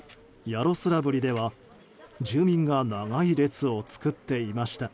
ヤロスラブリでは住民が長い列を作っていました。